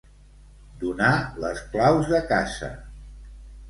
Donar les claus de casa.